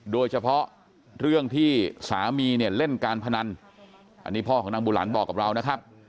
โดยเฉพาะเรื่องที่สามีเนี่ยเล่นการพนันอันนี้พ่อของนางบุหลันบอกกับเรานะครับ